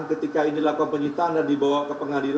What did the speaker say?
ketika ini adalah pemerintahan dan dibawa ke pengangkat